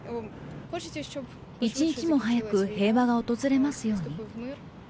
一日も早く平和が訪れますように。